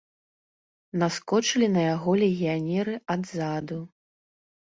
Наскочылі на яго легіянеры адзаду.